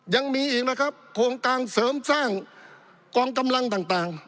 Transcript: ยังมีอีกนะครับโครงการเสริมสร้างกองกำลังต่าง